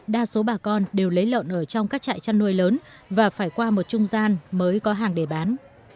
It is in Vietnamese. đa số bà con đều lấy lợn ở trong các trại chăn nuôi lớn và phải qua một trung gian mới có hàng để bán